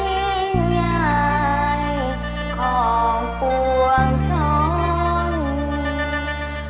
เสียราการด้วยดวงจาน